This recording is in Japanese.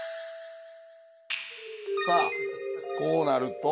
さあこうなると。